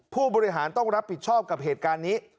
ผู้บริหารต้องรับผิดชอบกับเหตุการณ์นี้